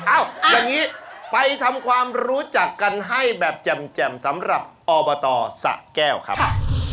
อย่างนี้ไปทำความรู้จักกันให้แบบแจ่มสำหรับอบตสะแก้วครับ